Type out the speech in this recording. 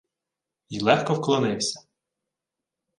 Й легко вклонився.